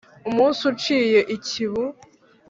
umunsi uciye ikibu